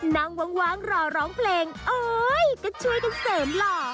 นั่งว่างรอร้องเพลงโอ๊ยก็ช่วยกันเสริมหล่อ